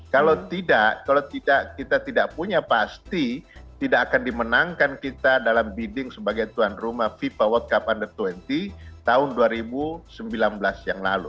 kalau tidak kalau kita tidak punya pasti tidak akan dimenangkan kita dalam bidding sebagai tuan rumah fifa world cup under dua puluh tahun dua ribu sembilan belas yang lalu